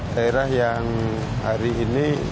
daerah yang hari ini